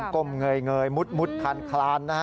กมเงยมุดคันคลาน